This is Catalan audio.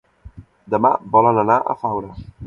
Demà volen anar a Faura.